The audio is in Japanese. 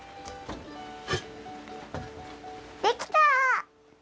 できた！